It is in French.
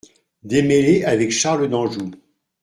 - Démêlés avec Charles d'Anjou.